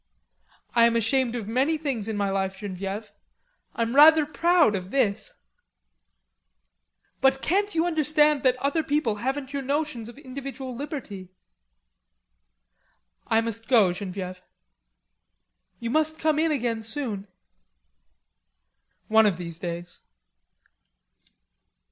"I am ashamed of many things in my life, Genevieve. I'm rather proud of this." "But can't you understand that other people haven't your notions of individual liberty?" "I must go, Genevieve." "You must come in again soon." "One of these days."